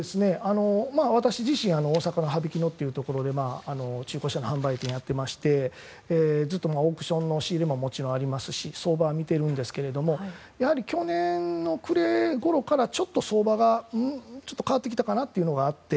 私自身、大阪の羽曳野というところで中古車の販売店をやっていましてずっとオークションの仕入れももちろん、ありますし相場は見ているんですがやはり去年の暮れごろからちょっと相場が変わってきたかなというのがあって。